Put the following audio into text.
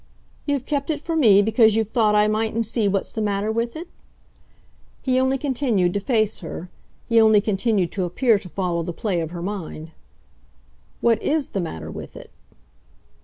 "You've kept it for me because you've thought I mightn't see what's the matter with it?" He only continued to face her he only continued to appear to follow the play of her mind. "What IS the matter with it?"